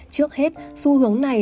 trước hết xu hướng này